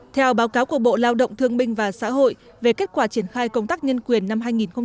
theo báo cáo của bộ lao động thương binh và xã hội về kết quả triển khai công tác nhân quyền năm hai nghìn một mươi tám